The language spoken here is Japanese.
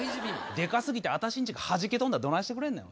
でかすぎてあたしんちがはじけ飛んだらどないしてくれんねん。